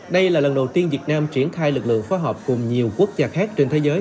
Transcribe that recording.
đây là lần đầu tiên việt nam triển khai lực lượng phó hợp cùng nhiều quốc gia khác trên thế giới